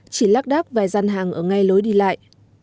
chỉ lắc đắc vài gian hàng ở ngay lối đi lại